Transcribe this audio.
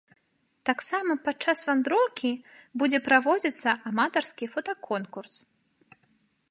Таксама пад час вандроўкі будзе праводзіцца аматарскі фотаконкурс.